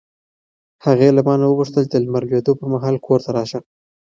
هغې له ما نه وغوښتل چې د لمر لوېدو پر مهال کور ته راشه.